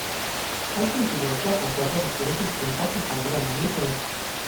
Hay coincidencia con cuatro regiones distintas de fauna de mamíferos.